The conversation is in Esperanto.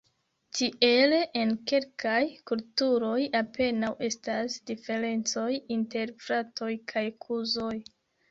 Tiele en kelkaj kulturoj apenaŭ estas diferencoj inter fratoj kaj kuzoj.